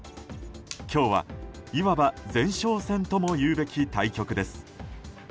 今日はいわば前哨戦ともいうべき対局です。